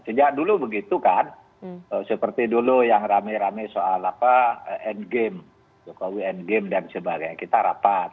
sejak dulu begitu kan seperti dulu yang rame rame soal endgame jokowi endgame dan sebagainya kita rapat